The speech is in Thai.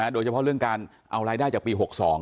โดยเฉพาะเรื่องการเอารายได้จากปี๖๒